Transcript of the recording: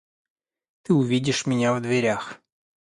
Ты увидишь меня в дверях.